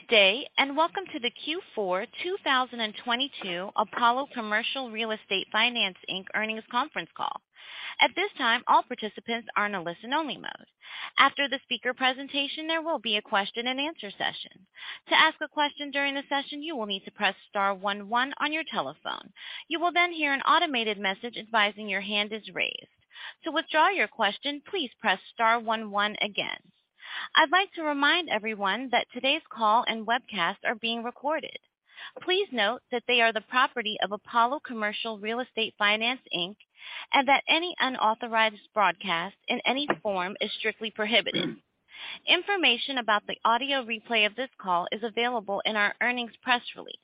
Good day, welcome to the Q4 2022 Apollo Commercial Real Estate Finance, Inc. earnings conference call. At this time, all participants are in a listen-only mode. After the speaker presentation, there will be a question-and-answer session. To ask a question during the session, you will need to press star one one on your telephone. You will hear an automated message advising your hand is raised. To withdraw your question, please press star one one again. I'd like to remind everyone that today's call and webcast are being recorded. Please note that they are the property of Apollo Commercial Real Estate Finance, Inc., and that any unauthorized broadcast in any form is strictly prohibited. Information about the audio replay of this call is available in our earnings press release.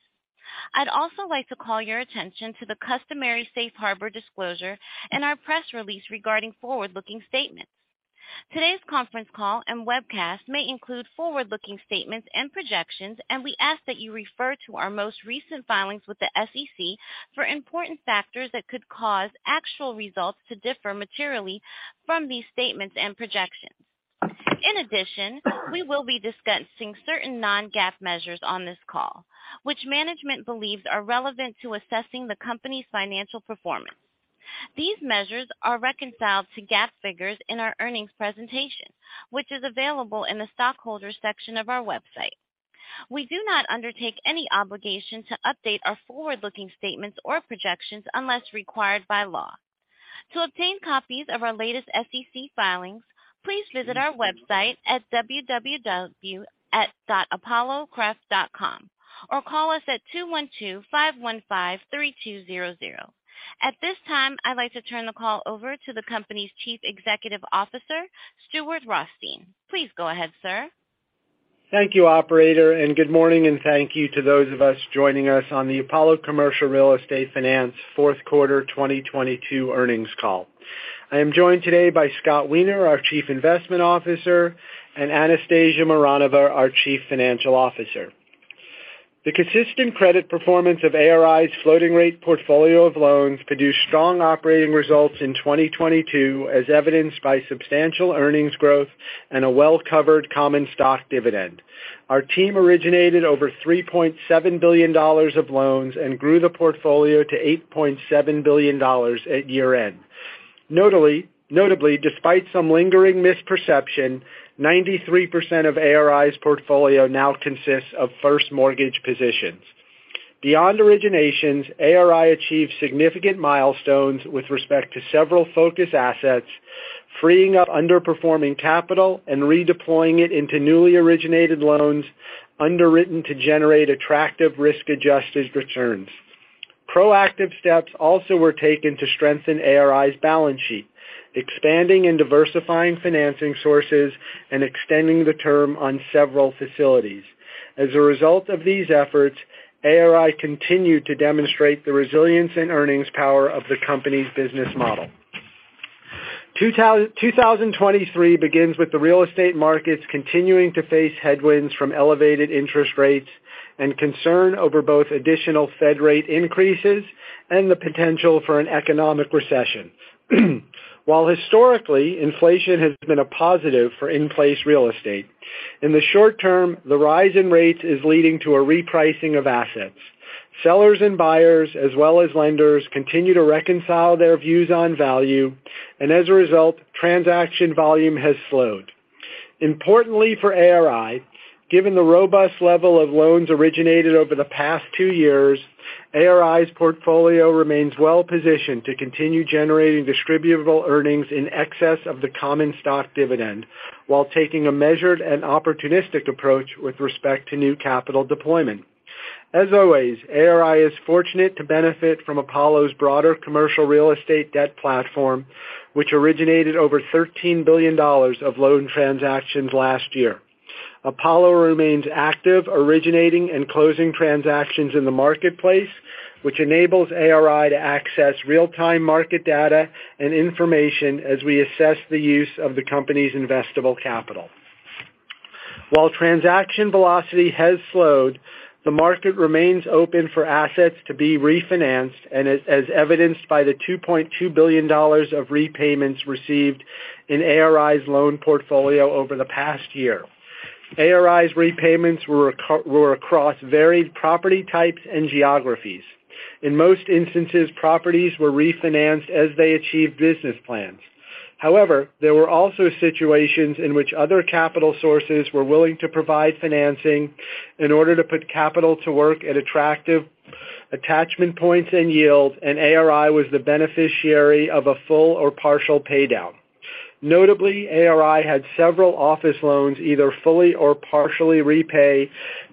I'd also like to call your attention to the customary safe harbor disclosure in our press release regarding forward-looking statements. Today's conference call and webcast may include forward-looking statements and projections, and we ask that you refer to our most recent filings with the SEC for important factors that could cause actual results to differ materially from these statements and projections. In addition, we will be discussing certain non-GAAP measures on this call, which management believes are relevant to assessing the company's financial performance. These measures are reconciled to GAAP figures in our earnings presentation, which is available in the Shareholders section of our website. We do not undertake any obligation to update our forward-looking statements or projections unless required by law. To obtain copies of our latest SEC filings, please visit our website at www.apollocref.com or call us at 212-515-3200. At this time, I'd like to turn the call over to the company's Chief Executive Officer, Stuart Rothstein. Please go ahead, sir. Thank you, operator, and good morning, and thank you to those of us joining us on the Apollo Commercial Real Estate Finance fourth quarter 2022 earnings call. I am joined today by Scott Weiner, our Chief Investment Officer, and Anastasia Mironova, our Chief Financial Officer. The consistent credit performance of ARI's floating rate portfolio of loans produced strong operating results in 2022, as evidenced by substantial earnings growth and a well-covered common stock dividend. Our team originated over $3.7 billion of loans and grew the portfolio to $8.7 billion at year-end. Notably, despite some lingering misperception, 93% of ARI's portfolio now consists of first mortgage positions. Beyond originations, ARI achieved significant milestones with respect to several focus assets, freeing up underperforming capital and redeploying it into newly originated loans underwritten to generate attractive risk-adjusted returns. Proactive steps also were taken to strengthen ARI's balance sheet, expanding and diversifying financing sources and extending the term on several facilities. As a result of these efforts, ARI continued to demonstrate the resilience and earnings power of the company's business model. 2023 begins with the real estate markets continuing to face headwinds from elevated interest rates and concern over both additional Fed rate increases and the potential for an economic recession. While historically, inflation has been a positive for in-place real estate, in the short term, the rise in rates is leading to a repricing of assets. Sellers and buyers, as well as lenders, continue to reconcile their views on value, and as a result, transaction volume has slowed. Importantly for ARI, given the robust level of loans originated over the past two years, ARI's portfolio remains well positioned to continue generating distributable earnings in excess of the common stock dividend while taking a measured and opportunistic approach with respect to new capital deployment. As always, ARI is fortunate to benefit from Apollo's broader commercial real estate debt platform, which originated over $13 billion of loan transactions last year. Apollo remains active, originating and closing transactions in the marketplace, which enables ARI to access real-time market data and information as we assess the use of the company's investable capital. While transaction velocity has slowed, the market remains open for assets to be refinanced, and as evidenced by the $2.2 billion of repayments received in ARI's loan portfolio over the past year. ARI's repayments were across varied property types and geographies. In most instances, properties were refinanced as they achieved business plans. There were also situations in which other capital sources were willing to provide financing in order to put capital to work at attractive attachment points and yields, and ARI was the beneficiary of a full or partial paydown. Notably, ARI had several office loans either fully or partially repay,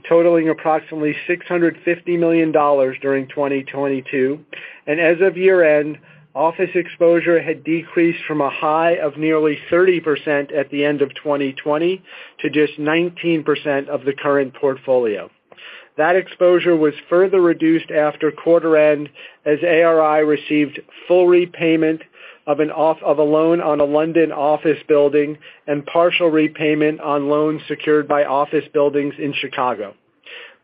totaling approximately $650 million during 2022. As of year-end, office exposure had decreased from a high of nearly 30% at the end of 2020 to just 19% of the current portfolio. That exposure was further reduced after quarter end, as ARI received full repayment of a loan on a London office building and partial repayment on loans secured by office buildings in Chicago.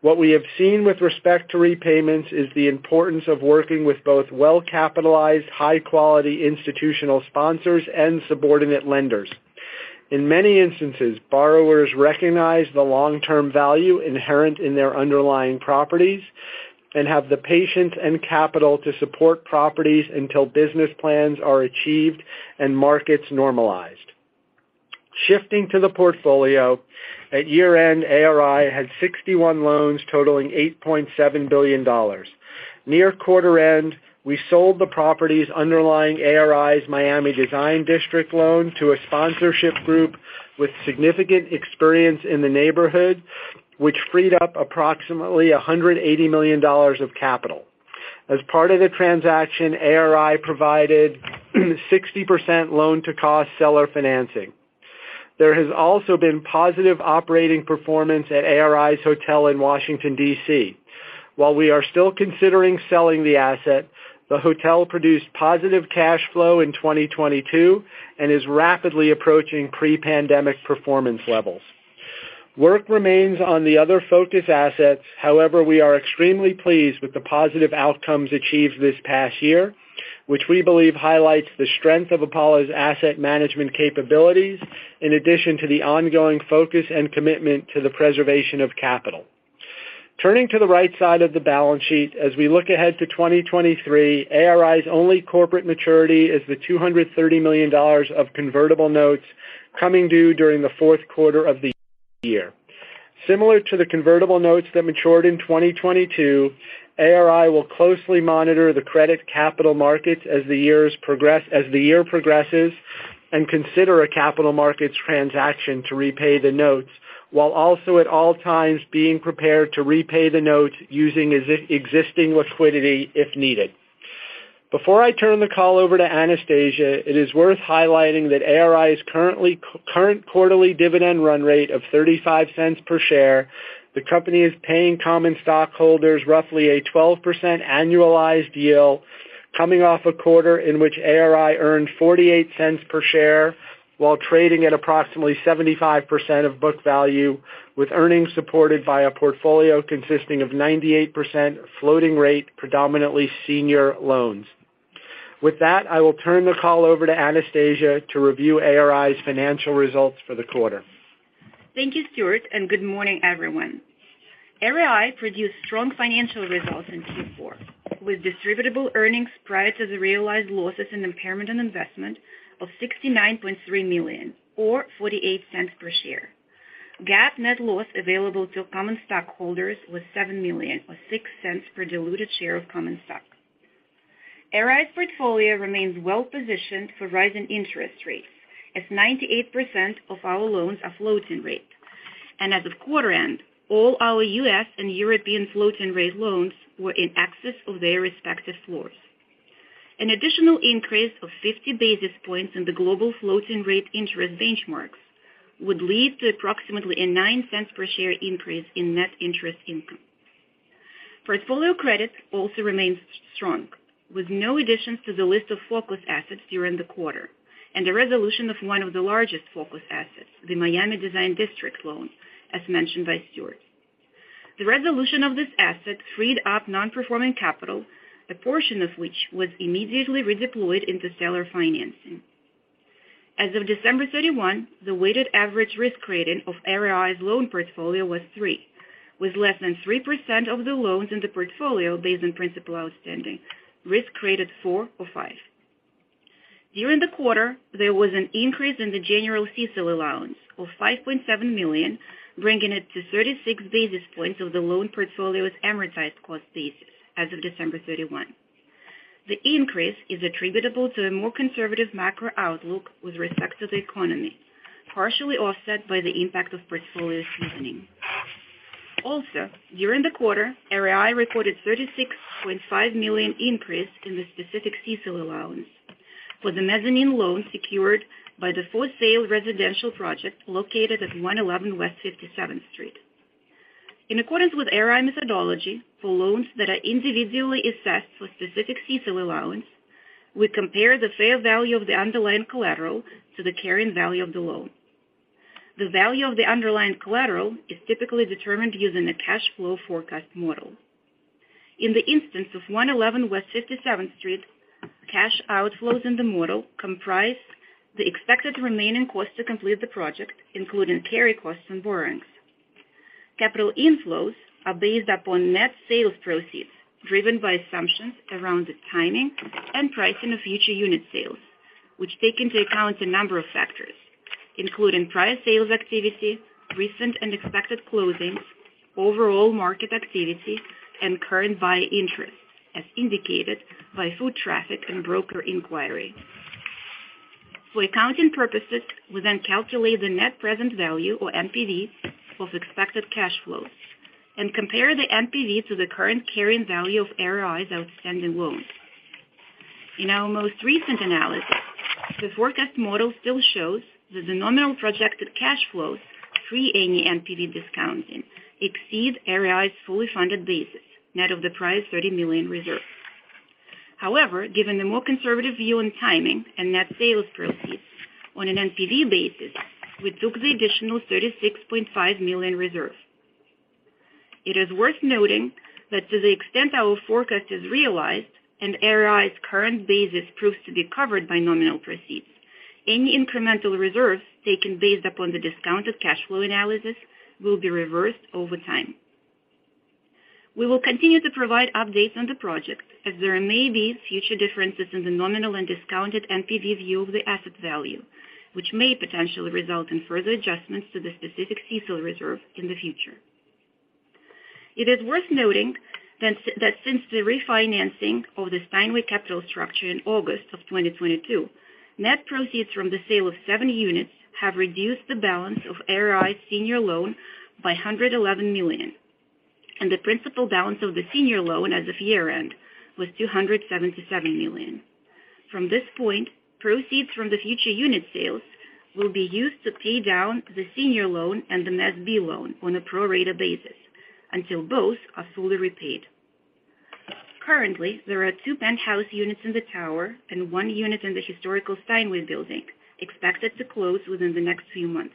What we have seen with respect to repayments is the importance of working with both well-capitalized, high-quality institutional sponsors and subordinate lenders. In many instances, borrowers recognize the long term value inherent in their underlying properties and have the patience and capital to support properties until business plans are achieved and markets normalized. Shifting to the portfolio. At year end, ARI had 61 loans totaling $8.7 billion. Near quarter end, we sold the properties underlying ARI's Miami Design District loan to a sponsorship group with significant experience in the neighborhood, which freed up approximately $180 million of capital. As part of the transaction, ARI provided 60% loan to cost seller financing. There has also been positive operating performance at ARI's hotel in Washington, D.C. While we are still considering selling the asset, the hotel produced positive cash flow in 2022 and is rapidly approaching pre-pandemic performance levels. Work remains on the other focus assets. We are extremely pleased with the positive outcomes achieved this past year, which we believe highlights the strength of Apollo's asset management capabilities, in addition to the ongoing focus and commitment to the preservation of capital. Turning to the right side of the balance sheet. As we look ahead to 2023, ARI's only corporate maturity is the $230 million of convertible notes coming due during the fourth quarter of the year. Similar to the convertible notes that matured in 2022, ARI will closely monitor the credit capital markets as the year progresses, and consider a capital markets transaction to repay the notes, while also at all times being prepared to repay the notes using existing liquidity if needed. Before I turn the call over to Anastasia, it is worth highlighting that ARI's current quarterly dividend run rate of $0.35 per share. The company is paying common stockholders roughly a 12% annualized yield coming off a quarter in which ARI earned $0.48 per share while trading at approximately 75% of book value, with earnings supported by a portfolio consisting of 98% floating rate, predominantly senior loans. With that, I will turn the call over to Anastasia to review ARI's financial results for the quarter. Thank you, Stuart, and good morning, everyone. ARI produced strong financial results in Q4, with distributable earnings prior to the realized losses and impairment on investment of $69.3 million or $0.48 per share. GAAP net loss available to common stockholders was $7 million or $0.06 per diluted share of common stock. ARI's portfolio remains well-positioned for rising interest rates, as 98% of our loans are floating rate. As of quarter end, all our U.S. and European floating rate loans were in excess of their respective floors. An additional increase of 50 basis points in the global floating rate interest benchmarks would lead to approximately a $0.09 per share increase in net interest income. Portfolio credits also remains strong, with no additions to the list of focus assets during the quarter and the resolution of one of the largest focus assets, the Miami Design District loan, as mentioned by Stuart. The resolution of this asset freed up non-performing capital, a portion of which was immediately redeployed into seller financing. As of December 31st, the weighted average risk rating of ARI's loan portfolio was three, with less than 3% of the loans in the portfolio based on principal outstanding, risk rated four or five. During the quarter, there was an increase in the general CECL allowance of $5.7 million, bringing it to 36 basis points of the loan portfolio's amortized cost basis as of December 31. The increase is attributable to a more conservative macro outlook with respect to the economy, partially offset by the impact of portfolio seasoning. During the quarter, ARI recorded $36.5 million increase in the specific CECL allowance for the mezzanine loan secured by the for-sale residential project located at One Eleven West Fifty-seventh Street. In accordance with ARI methodology for loans that are individually assessed for specific CECL allowance, we compare the fair value of the underlying collateral to the carrying value of the loan. The value of the underlying collateral is typically determined using a cash flow forecast model. In the instance of 111 West 57th Street, cash outflows in the model comprise the expected remaining cost to complete the project, including carry costs and borrowings. Capital inflows are based upon net sales proceeds driven by assumptions around the timing and pricing of future unit sales, which take into account a number of factors, including prior sales activity, recent and expected closings, overall market activity, and current buyer interest, as indicated by foot traffic and broker inquiry. For accounting purposes, we then calculate the net present value, or NPV, of expected cash flows and compare the NPV to the current carrying value of ARI's outstanding loans. In our most recent analysis, the forecast model still shows that the nominal projected cash flows free any NPV discounting exceed ARI's fully funded basis, net of the prior $30 million reserve. Given the more conservative view on timing and net sales proceeds on an NPV basis, we took the additional $36.5 million reserve. It is worth noting that to the extent our forecast is realized and ARI's current basis proves to be covered by nominal proceeds, any incremental reserves taken based upon the discounted cash flow analysis will be reversed over time. We will continue to provide updates on the project as there may be future differences in the nominal and discounted NPV view of the asset value, which may potentially result in further adjustments to the specific CECL reserve in the future. It is worth noting that since the refinancing of the Steinway capital structure in August of 2022, net proceeds from the sale of seven units have reduced the balance of ARI's senior loan by $111 million, and the principal balance of the senior loan as of year-end was $277 million. From this point, proceeds from the future unit sales will be used to pay down the senior loan and the Mezz B loan on a pro rata basis until both are fully repaid. Currently, there are two penthouse units in the tower and one unit in the historical Steinway building expected to close within the next few months.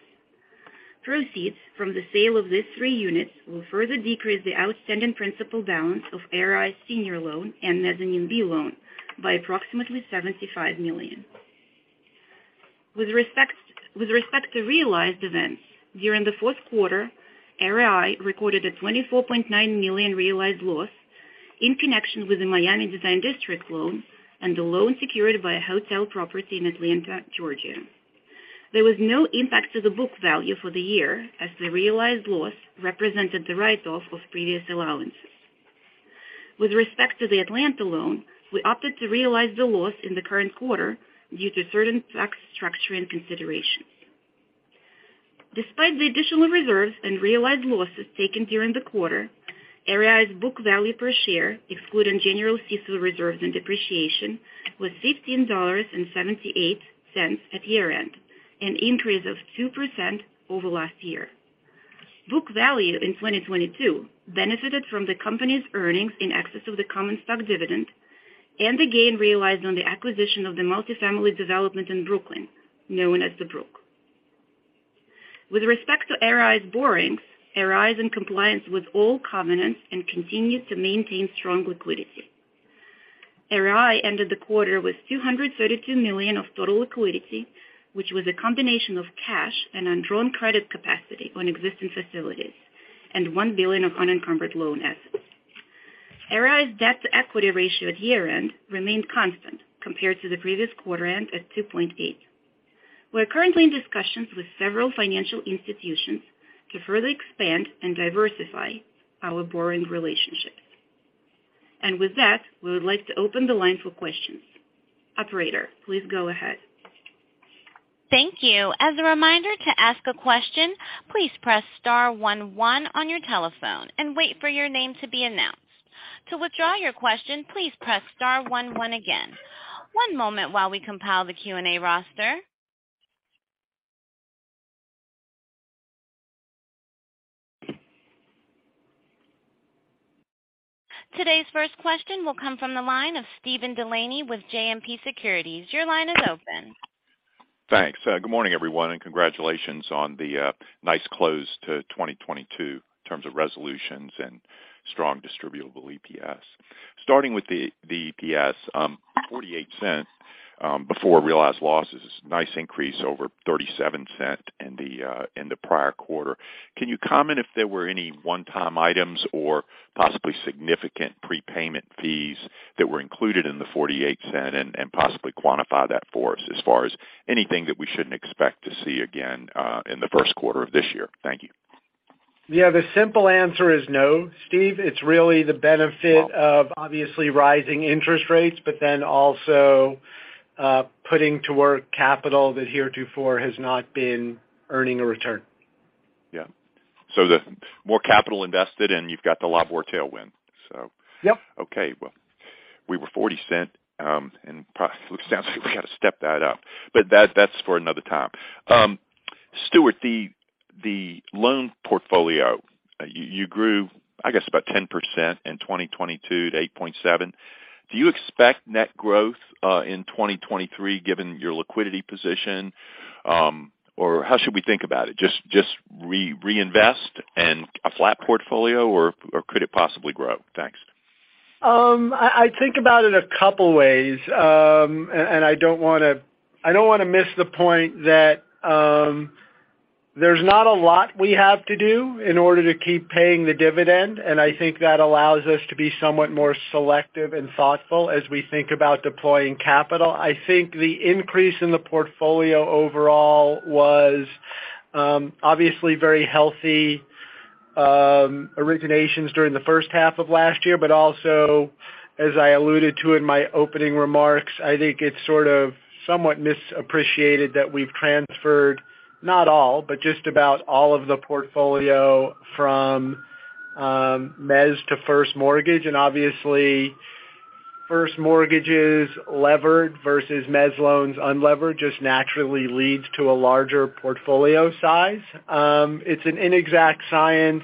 Proceeds from the sale of these three units will further decrease the outstanding principal balance of ARI's senior loan and mezzanine B loan by approximately $75 million. With respect to realized events, during the fourth quarter, ARI recorded a $24.9 million realized loss in connection with the Miami Design District loan and the loan secured by a hotel property in Atlanta, Georgia. There was no impact to the book value for the year as the realized loss represented the write-off of previous allowances. With respect to the Atlanta loan, we opted to realize the loss in the current quarter due to certain tax structuring considerations. Despite the additional reserves and realized losses taken during the quarter, ARI's book value per share, excluding general CECL reserves and depreciation, was $15.78 at year-end, an increase of 2% over last year. Book value in 2022 benefited from the company's earnings in excess of the common stock dividend and the gain realized on the acquisition of the multifamily development in Brooklyn, known as The Brook. With respect to ARI's borrowings, ARI is in compliance with all covenants and continues to maintain strong liquidity. ARI ended the quarter with $232 million of total liquidity, which was a combination of cash and undrawn credit capacity on existing facilities and $1 billion of unencumbered loan assets. ARI's debt-to-equity ratio at year-end remained constant compared to the previous quarter end at 2.8. We're currently in discussions with several financial institutions to further expand and diversify our borrowing relationships. With that, we would like to open the line for questions. Operator, please go ahead. Thank you. As a reminder, to ask a question, please press star one one on your telephone and wait for your name to be announced. To withdraw your question, please press star one one again. One moment while we compile the Q&A roster. Today's first question will come from the line of Steven DeLaney with JMP Securities. Your line is open. Thanks. Good morning, everyone, and congratulations on the nice close to 2022 in terms of resolutions and strong distributable EPS. Starting with the EPS, $0.48 before realized loss is a nice increase over $0.37 in the prior quarter. Can you comment if there were any one-time items or possibly significant prepayment fees that were included in the $0.48 and possibly quantify that for us as far as anything that we shouldn't expect to see again in the first quarter of this year? Thank you. Yeah. The simple answer is no, Steve. It's really the benefit of obviously rising interest rates, but then also, putting to work capital that heretofore has not been earning a return. Yeah. The more capital invested, and you've got a lot more tailwind, so. Yep. Okay. Well, we were $0.40, it sounds like we got to step that up. That's, that's for another time. Stuart, the loan portfolio, you grew, I guess, about 10% in 2022 to $8.7 billion. Do you expect net growth in 2023, given your liquidity position? How should we think about it? Just reinvest and a flat portfolio, or could it possibly grow? Thanks. I think about it a couple ways. I don't wanna, I don't wanna miss the point that there's not a lot we have to do in order to keep paying the dividend, and I think that allows us to be somewhat more selective and thoughtful as we think about deploying capital. I think the increase in the portfolio overall was obviously very healthy, originations during the first half of last year. Also, as I alluded to in my opening remarks, I think it's sort of somewhat misappreciated that we've transferred, not all, but just about all of the portfolio from mezz to first mortgage. Obviously, first mortgages levered versus mezz loans unlevered just naturally leads to a larger portfolio size. It's an inexact science.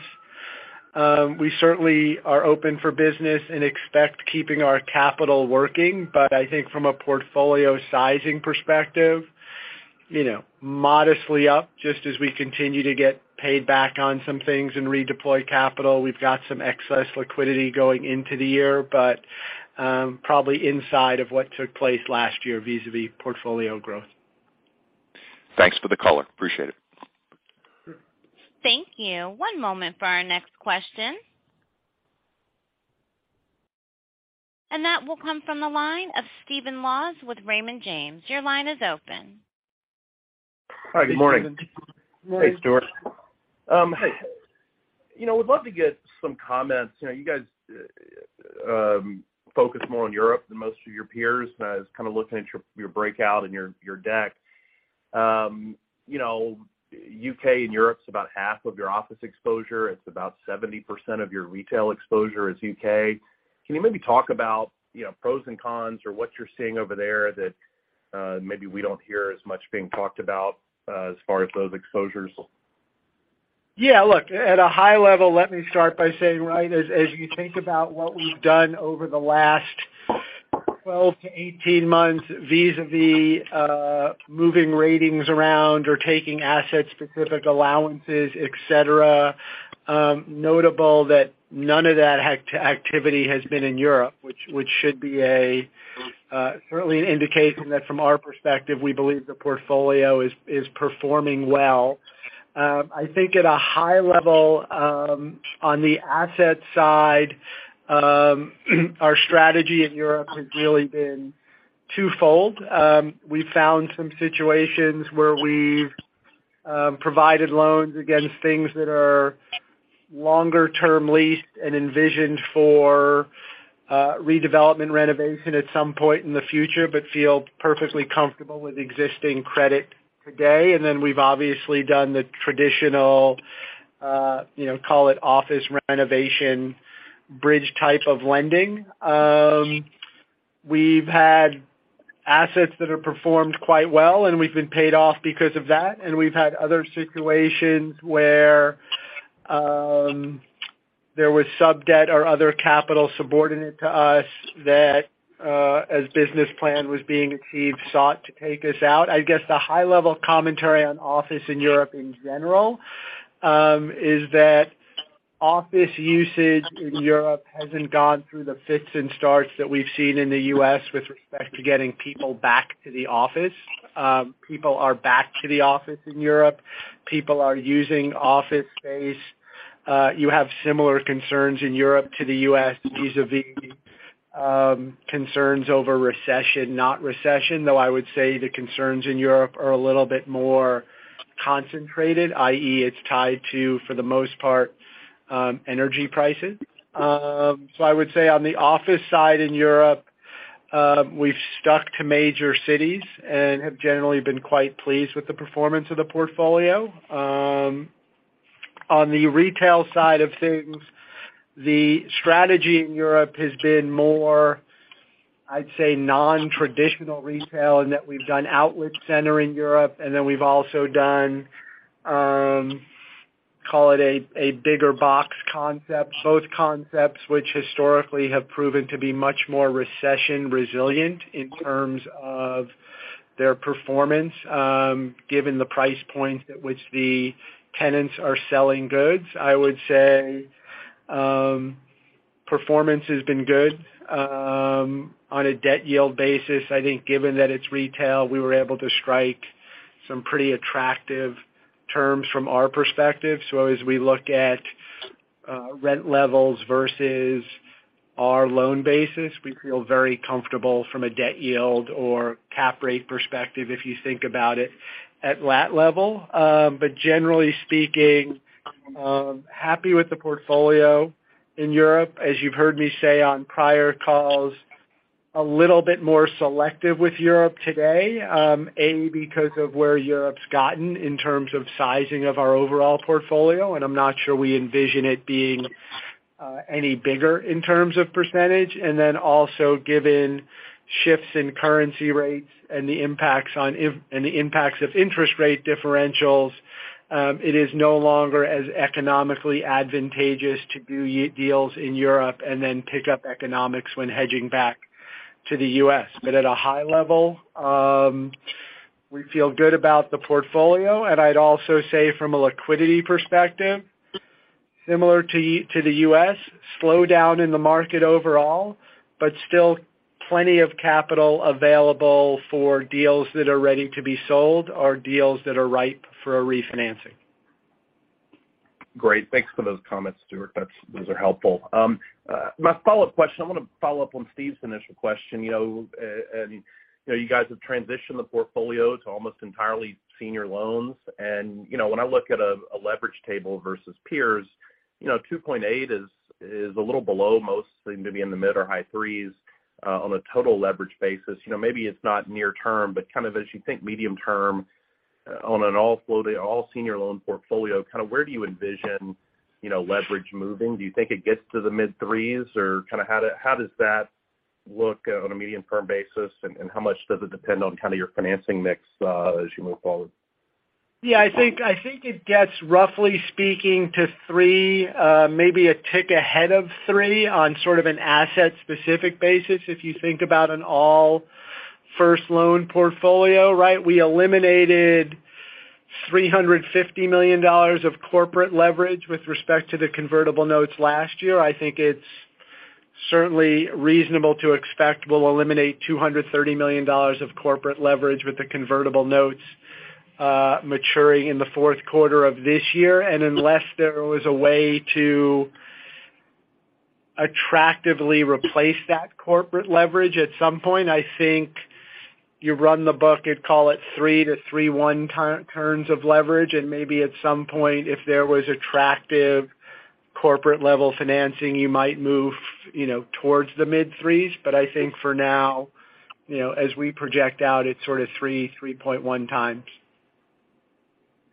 We certainly are open for business and expect keeping our capital working. I think from a portfolio sizing perspective, you know, modestly up just as we continue to get paid back on some things and redeploy capital. We've got some excess liquidity going into the year, probably inside of what took place last year vis-a-vis portfolio growth. Thanks for the color. Appreciate it. Thank you. One moment for our next question. That will come from the line of Stephen Laws with Raymond James. Your line is open. Hi. Good morning. Good morning. Hey, Stuart. Hey. You know, would love to get some comments. You know, you guys focus more on Europe than most of your peers. I was kind of looking at your breakout and your deck. You know, U.K. and Europe's about half of your office exposure. It's about 70% of your retail exposure is U.K. Can you maybe talk about, you know, pros and cons or what you're seeing over there that maybe we don't hear as much being talked about as far as those exposures? Yeah. Look, at a high level, let me start by saying, right, as you think about what we've done over the last 12-18 months vis-a-vis, moving ratings around or taking asset-specific allowances, etc. Notable that none of that activity has been in Europe, which should be a certainly an indication that from our perspective, we believe the portfolio is performing well. I think at a high level, on the asset side, our strategy in Europe has really been twofold. We found some situations where we've provided loans against things that are longer term leased and envisioned for redevelopment renovation at some point in the future, but feel perfectly comfortable with existing credit today. Then we've obviously done the traditional, you know, call it office renovation bridge type of lending. We've had assets that have performed quite well, and we've been paid off because of that. We've had other situations where there was sub debt or other capital subordinate to us that as business plan was being achieved, sought to take us out. I guess the high-level commentary on office in Europe in general is that office usage in Europe hasn't gone through the fits and starts that we've seen in the U.S. with respect to getting people back to the office. People are back to the office in Europe. People are using office space. You have similar concerns in Europe to the U.S. vis-a-vis concerns over recession, not recession, though I would say the concerns in Europe are a little bit more concentrated, i.e., it's tied to, for the most part, energy prices. I would say on the office side in Europe, we've stuck to major cities and have generally been quite pleased with the performance of the portfolio. On the retail side of things, the strategy in Europe has been more, I'd say, non-traditional retail, and that we've done outlet center in Europe, and then we've also done, call it a bigger box concept, both concepts which historically have proven to be much more recession resilient in terms of their performance, given the price point at which the tenants are selling goods. I would say, performance has been good. On a debt yield basis, I think given that it's retail, we were able to strike some pretty attractive terms from our perspective. As we look at rent levels versus our loan basis, we feel very comfortable from a debt yield or cap rate perspective if you think about it at lat level. Generally speaking, happy with the portfolio in Europe. As you've heard me say on prior calls, a little bit more selective with Europe today, because of where Europe's gotten in terms of sizing of our overall portfolio, and I'm not sure we envision it being any bigger in terms of percentage. Also given shifts in currency rates and the impacts on and the impacts of interest rate differentials, it is no longer as economically advantageous to do deals in Europe and then pick up economics when hedging back to the U.S. At a high level, we feel good about the portfolio. I'd also say from a liquidity perspective, similar to the U.S., slowdown in the market overall, but still plenty of capital available for deals that are ready to be sold or deals that are ripe for a refinancing. Great. Thanks for those comments, Stuart. Those are helpful. My follow-up question, I wanna follow up on Steve's initial question. You know, you guys have transitioned the portfolio to almost entirely senior loans. You know, when I look at a leverage table versus peers, you know, 2.8 is a little below most, maybe in the mid or high 3s on a total leverage basis. You know, maybe it's not near term, but kind of as you think medium term on an all floating, all senior loan portfolio, kinda where do you envision, you know, leverage moving? Do you think it gets to the mid 3s or kinda how does that look on a medium-term basis, and how much does it depend on kinda your financing mix as you move forward? Yeah, I think, I think it gets roughly speaking to three, maybe a tick ahead of three on sort of an asset-specific basis. If you think about an all first loan portfolio, right. We eliminated $350 million of corporate leverage with respect to the convertible notes last year. I think it's certainly reasonable to expect we'll eliminate $230 million of corporate leverage with the convertible notes, maturing in the fourth quarter of this year. Unless there was a way to attractively replace that corporate leverage at some point, I think you run the book, you'd call it 3-3.1 turns of leverage. Maybe at some point, if there was attractive corporate level financing, you might move, you know, towards the mid-3s. I think for now, you know, as we project out, it's sorta 3.1x.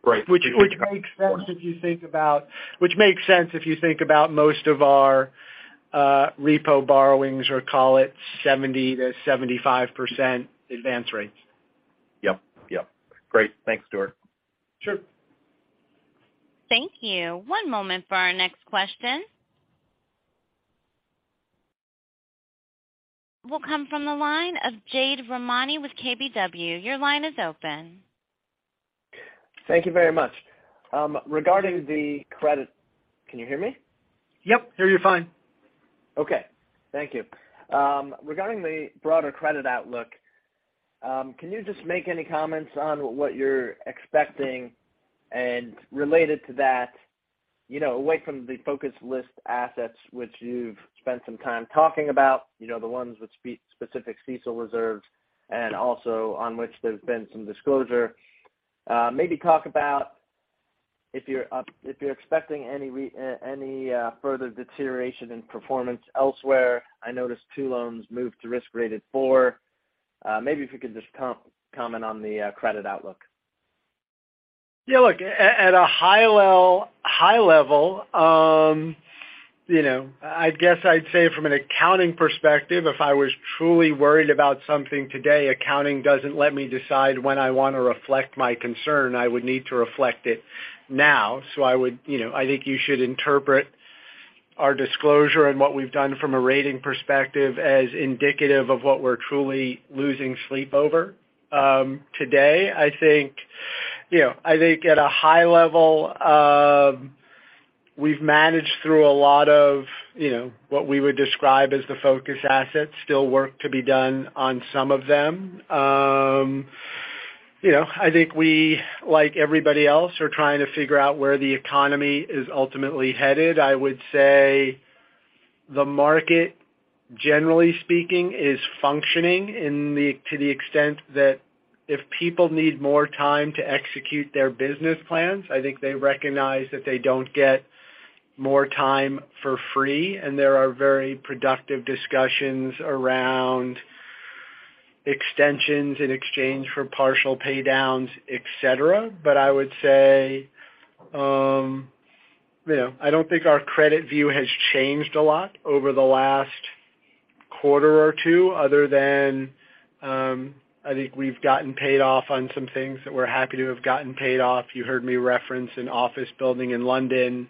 Right. Which makes sense if you think about most of our repo borrowings or call it 70%-75% advance rates. Yep. Yep. Great. Thanks, Stuart. Sure. Thank you. One moment for our next question. Will come from the line of Jade Rahmani with KBW. Your line is open. Thank you very much. Regarding the credit. Can you hear me? Yep. Hear you fine. Okay. Thank you. Regarding the broader credit outlook, can you just make any comments on what you're expecting? Related to that, you know, away from the focus list assets, which you've spent some time talking about, you know, the ones with specific CECL reserves and also on which there's been some disclosure. Maybe talk about if you're expecting any further deterioration in performance elsewhere. I noticed two loans moved to risk-graded four. Maybe if you could just comment on the credit outlook. Look, at a high level, you know, I guess I'd say from an accounting perspective, if I was truly worried about something today, accounting doesn't let me decide when I wanna reflect my concern. I would need to reflect it now. You know, I think you should interpret our disclosure and what we've done from a rating perspective as indicative of what we're truly losing sleep over. Today, I think, you know, I think at a high level, we've managed through a lot of, you know, what we would describe as the focus assets, still work to be done on some of them. You know, I think we, like everybody else, are trying to figure out where the economy is ultimately headed. I would say the market, generally speaking, is functioning to the extent that if people need more time to execute their business plans, I think they recognize that they don't get more time for free. There are very productive discussions around extensions in exchange for partial pay downs, et cetera. I would say, you know, I don't think our credit view has changed a lot over the last quarter or two other than, I think we've gotten paid off on some things that we're happy to have gotten paid off. You heard me reference an office building in London.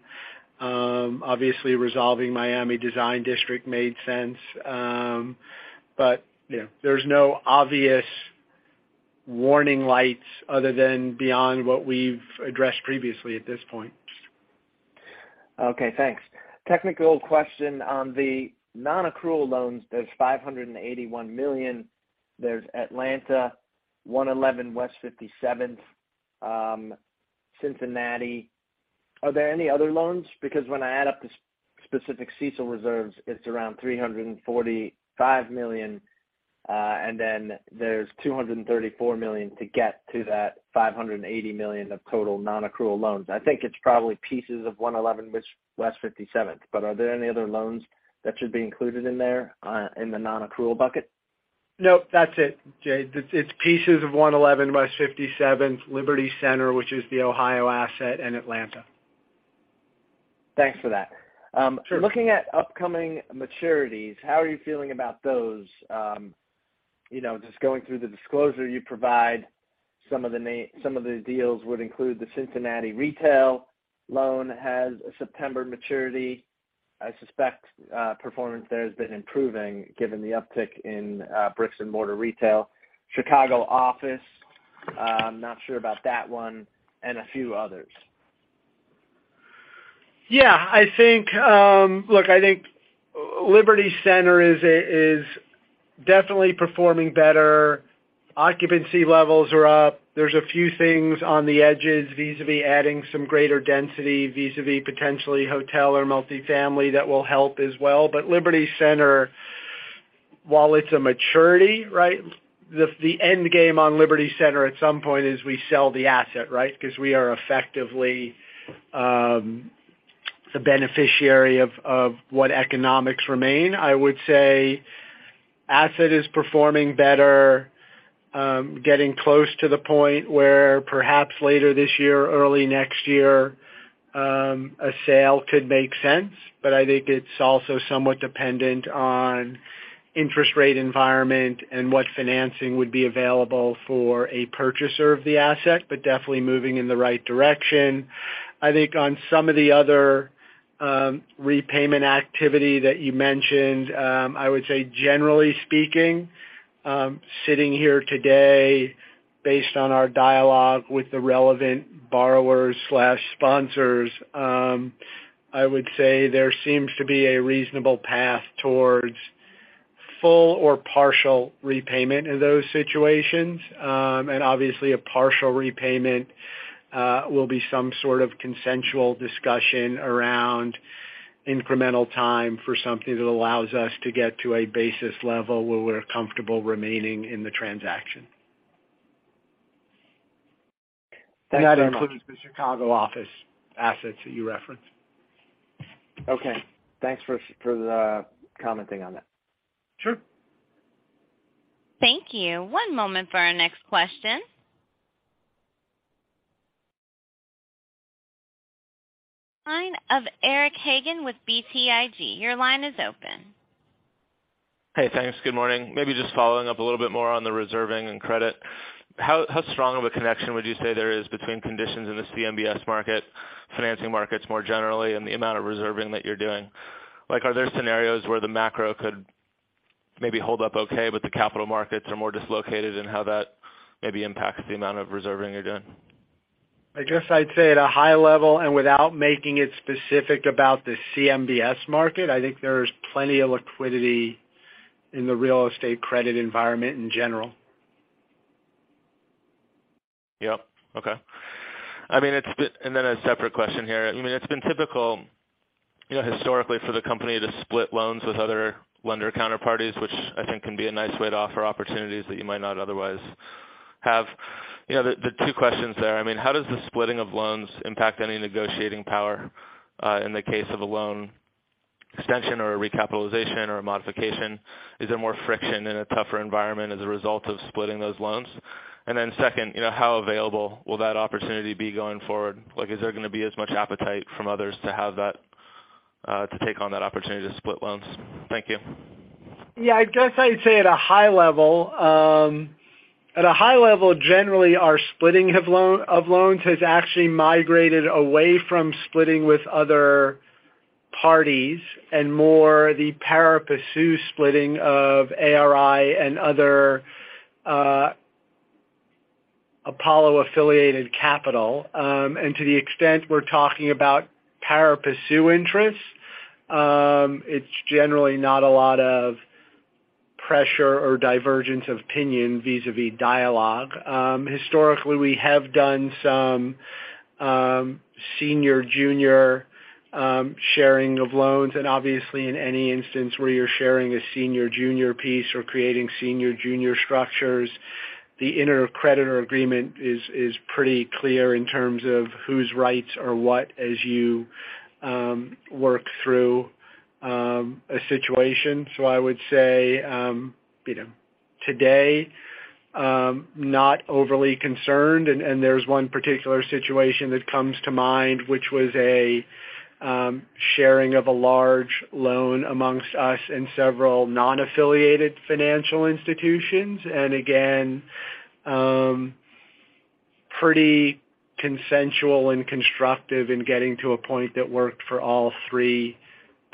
Obviously resolving Miami Design District made sense. You know, there's no obvious warning lights other than beyond what we've addressed previously at this point. Okay, thanks. Technical question on the non-accrual loans. There's $581 million. There's Atlanta, 111 West 57th, Cincinnati. Are there any other loans? When I add up the specific CECL reserves, it's around $345 million, and then there's $234 million to get to that $580 million of total non-accrual loans. I think it's probably pieces of 111 West 57th. Are there any other loans that should be included in there, in the non-accrual bucket? Nope. That's it, Jade. It's, it's pieces of 111 West 57th, Liberty Center, which is the Ohio asset, and Atlanta. Thanks for that. Sure. Looking at upcoming maturities, how are you feeling about those? You know, just going through the disclosure you provide, some of the deals would include the Cincinnati retail loan has a September maturity. I suspect performance there has been improving given the uptick in bricks and mortar retail. Chicago office, I'm not sure about that one, and a few others. Yeah. I think, Look, I think Liberty Center is definitely performing better. Occupancy levels are up. There's a few things on the edges, vis-à-vis adding some greater density, vis-à-vis potentially hotel or multifamily. That will help as well. Liberty Center, while it's a maturity, right? The end game on Liberty Center at some point is we sell the asset, right? 'Cause we are effectively the beneficiary of what economics remain. I would say asset is performing better, getting close to the point where perhaps later this year or early next year a sale could make sense, I think it's also somewhat dependent on interest rate environment and what financing would be available for a purchaser of the asset, definitely moving in the right direction. I think on some of the other, repayment activity that you mentioned, I would say generally speaking, sitting here today based on our dialogue with the relevant borrowers/sponsors, I would say there seems to be a reasonable path towards full or partial repayment in those situations. Obviously a partial repayment, will be some sort of consensual discussion around incremental time for something that allows us to get to a basis level where we're comfortable remaining in the transaction. Thanks very much. That includes the Chicago office assets that you referenced. Okay. Thanks for commenting on that. Sure. Thank you. One moment for our next question. Line of Eric Hagen with BTIG. Your line is open. Hey, thanks. Good morning. Maybe just following up a little bit more on the reserving and credit. How strong of a connection would you say there is between conditions in the CMBS market, financing markets more generally, and the amount of reserving that you're doing? Like, are there scenarios where the macro could maybe hold up okay, but the capital markets are more dislocated and how that maybe impacts the amount of reserving you're doing? I guess I'd say at a high level, and without making it specific about the CMBS market, I think there's plenty of liquidity in the real estate credit environment in general. Yep. Okay. A separate question here. I mean, it's been typical, you know, historically for the company to split loans with other lender counterparties, which I think can be a nice way to offer opportunities that you might not otherwise have. You know, the two questions there, I mean, how does the splitting of loans impact any negotiating power in the case of a loan extension or a recapitalization or a modification? Is there more friction in a tougher environment as a result of splitting those loans? Second, you know, how available will that opportunity be going forward? Like, is there gonna be as much appetite from others to have that to take on that opportunity to split loans? Thank you. Yeah. I guess I'd say at a high level, at a high level, generally, our splitting of loans has actually migrated away from splitting with other parties and more the pari passu splitting of ARI and other Apollo-affiliated capital. To the extent we're talking about pari passu interests, it's generally not a lot of pressure or divergence of opinion vis-à-vis dialogue. Historically, we have done some senior-junior sharing of loans, and obviously in any instance where you're sharing a senior-junior piece or creating senior-junior structures, the intercreditor agreement is pretty clear in terms of whose rights are what as you work through a situation. I would say, you know, today, not overly concerned. There's one particular situation that comes to mind, which was a sharing of a large loan amongst us and several non-affiliated financial institutions. Again, pretty consensual and constructive in getting to a point that worked for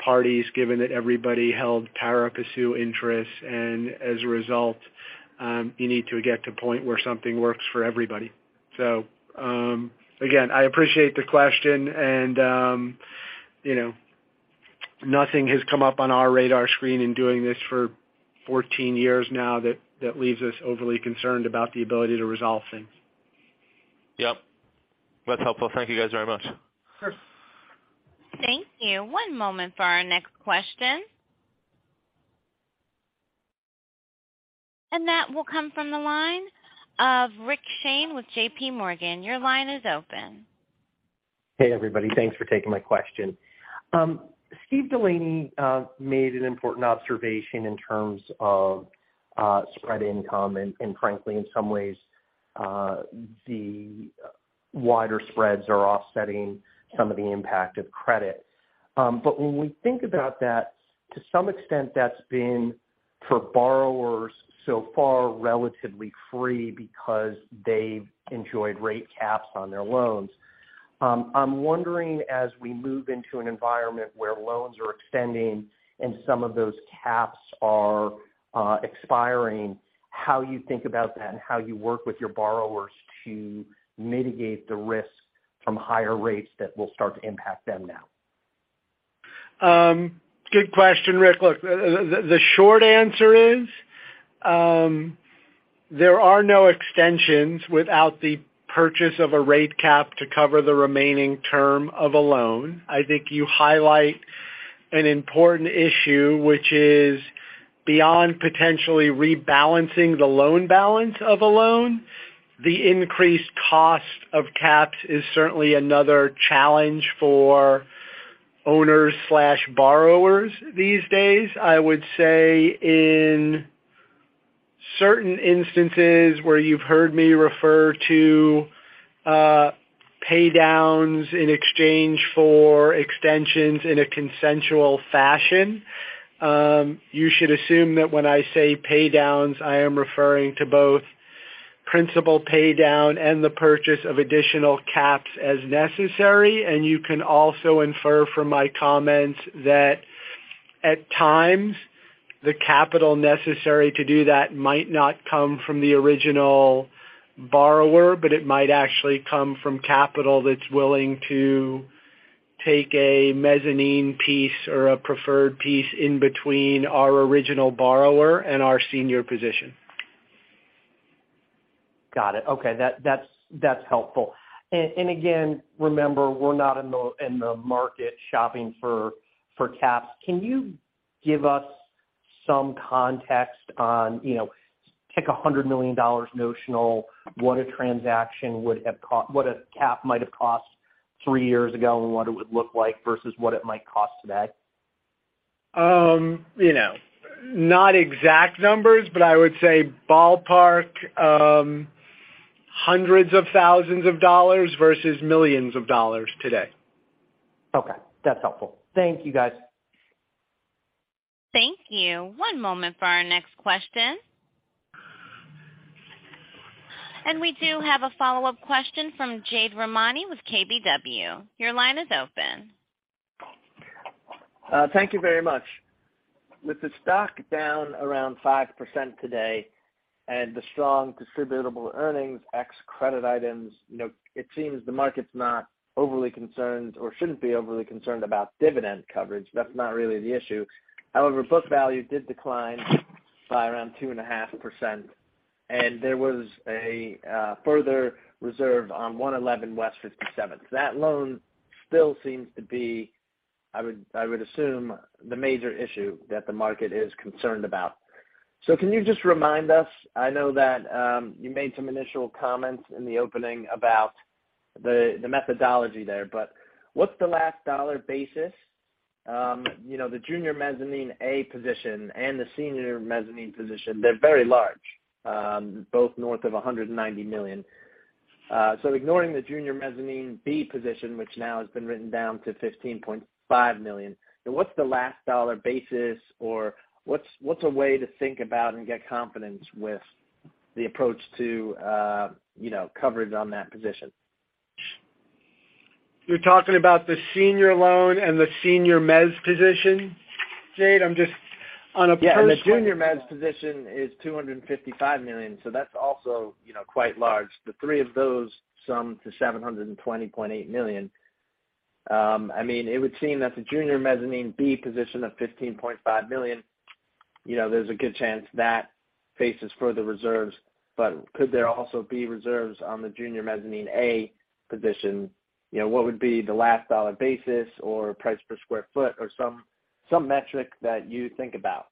all three parties, given that everybody held pari passu interests. As a result, you need to get to a point where something works for everybody. Again, I appreciate the question and, you know, nothing has come up on our radar screen in doing this for 14 years now that leaves us overly concerned about the ability to resolve things. Yep. That's helpful. Thank you, guys, very much. Sure. Thank you. One moment for our next question. That will come from the line of Rick Shane with JPMorgan. Your line is open. Hey, everybody. Thanks for taking my question. Steven DeLaney made an important observation in terms of spread income and frankly, in some ways, the wider spreads are offsetting some of the impact of credit. When we think about that, to some extent that's been, for borrowers so far, relatively free because they've enjoyed rate caps on their loans. I'm wondering as we move into an environment where loans are extending and some of those caps are expiring, how you think about that and how you work with your borrowers to mitigate the risk from higher rates that will start to impact them now. Good question, Rick. The short answer is, there are no extensions without the purchase of a rate cap to cover the remaining term of a loan. I think you highlight an important issue which is beyond potentially rebalancing the loan balance of a loan. The increased cost of caps is certainly another challenge for owners/borrowers these days. I would say in certain instances where you've heard me refer to pay downs in exchange for extensions in a consensual fashion, you should assume that when I say pay downs, I am referring to both principal pay down and the purchase of additional caps as necessary. You can also infer from my comments that at times, the capital necessary to do that might not come from the original borrower, but it might actually come from capital that's willing to take a mezzanine piece or a preferred piece in between our original borrower and our senior position. Got it. Okay. That's helpful. Again, remember, we're not in the market shopping for caps. Can you give us some context on, you know, take a $100 million notional, what a cap might have cost three years ago, and what it would look like versus what it might cost today? You know, not exact numbers, but I would say ballpark, hundreds of thousands of dollars versus millions of dollars today. Okay. That's helpful. Thank you, guys. Thank you. One moment for our next question. We do have a follow-up question from Jade Rahmani with KBW. Your line is open. Thank you very much. With the stock down around 5% today and the strong distributable earnings, ex credit items, you know, it seems the market's not overly concerned or shouldn't be overly concerned about dividend coverage. That's not really the issue. However, book value did decline by around 2.5%, and there was a further reserve on 111 West 57th. That loan still seems to be, I would assume, the major issue that the market is concerned about. Can you just remind us, I know that you made some initial comments in the opening about the methodology there, but what's the last dollar basis? You know, the junior mezzanine A position and the senior mezzanine position, they're very large, both north of $190 million. Ignoring the junior mezzanine B position, which now has been written down to $15.5 million, what's the last dollar basis or what's a way to think about and get confidence with the approach to, you know, coverage on that position? You're talking about the senior loan and the senior mezz position, Jade? Yeah. The junior mezz position is $255 million, so that's also, you know, quite large. The three of those sum to $720.8 million. I mean, it would seem that the junior Mezz B position of $15.5 million, you know, there's a good chance that faces further reserves, but could there also be reserves on the junior mezzanine A position? You know, what would be the last dollar basis or price per square feet or some metric that you think about?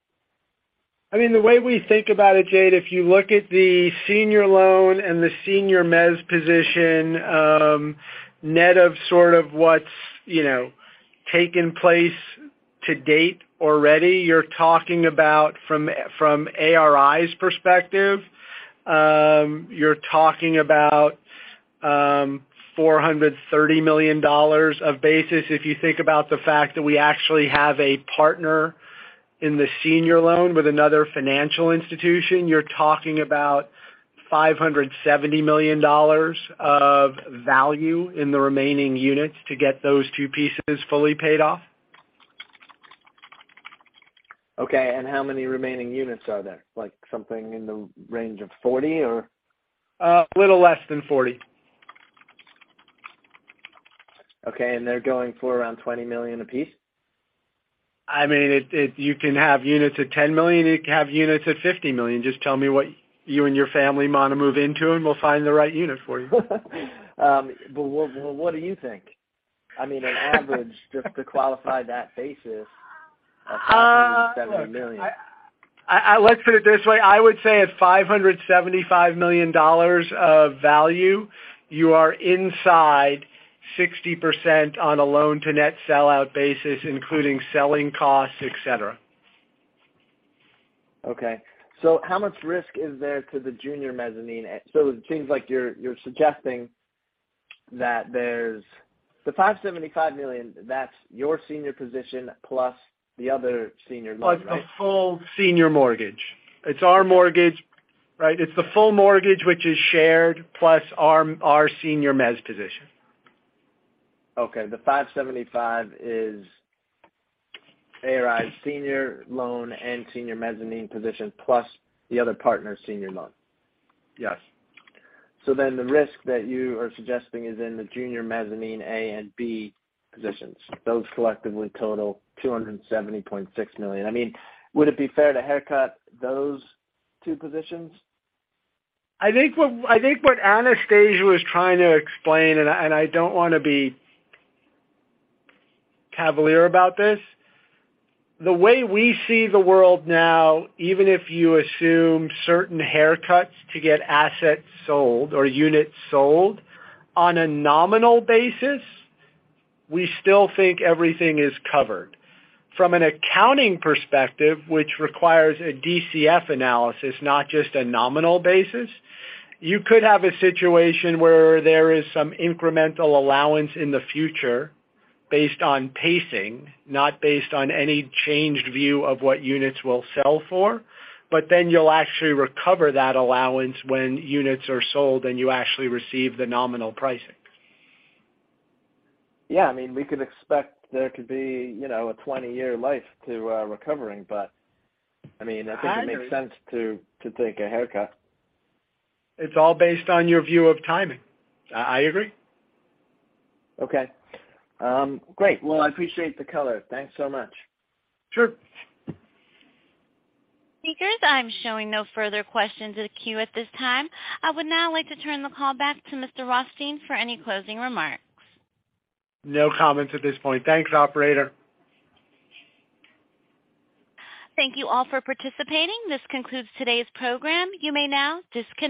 I mean, the way we think about it, Jade, if you look at the senior loan and the senior mezz position, net of sort of what's, you know, taken place to date already, you're talking about from ARI's perspective, you're talking about $430 million of basis. If you think about the fact that we actually have a partner in the senior loan with another financial institution, you're talking about $570 million of value in the remaining units to get those two pieces fully paid off. Okay. How many remaining units are there? Like, something in the range of 40 or? A little less than 40. Okay. They're going for around $20 million a piece? I mean, you can have units at $10 million, you can have units at $50 million. Just tell me what you and your family wanna move into, and we'll find the right unit for you. What, what do you think? I mean, an average just to qualify that basis of $570 million. Look, I Let's put it this way, I would say at $575 million of value, you are inside 60% on a loan to net sellout basis, including selling costs, et cetera. Okay. How much risk is there to the junior mezzanine? It seems like you're suggesting that there's, the $575 million, that's your senior position plus the other senior loan, right? It's the full senior mortgage. It's our mortgage, right? It's the full mortgage, which is shared plus our senior mezz position. Okay. The $575 is ARI's senior loan and senior mezzanine position, plus the other partner's senior loan. Yes. The risk that you are suggesting is in the junior mezzanine A and B positions. Those collectively total $270.6 million. I mean, would it be fair to haircut those two positions? I think what Anastasia was trying to explain, I don't wanna be cavalier about this. The way we see the world now, even if you assume certain haircuts to get assets sold or units sold, on a nominal basis, we still think everything is covered. From an accounting perspective, which requires a DCF analysis, not just a nominal basis, you could have a situation where there is some incremental allowance in the future based on pacing, not based on any changed view of what units will sell for, you'll actually recover that allowance when units are sold and you actually receive the nominal pricing. Yeah. I mean, we could expect there could be, you know, a 20-year life to recovering. I mean, I think it makes sense to take a haircut. It's all based on your view of timing. I agree. Okay. great. Well, I appreciate the color. Thanks so much. Sure. Speakers, I'm showing no further questions in the queue at this time. I would now like to turn the call back to Mr. Rothstein for any closing remarks. No comments at this point. Thanks, operator. Thank you all for participating. This concludes today's program. You may now disconnect.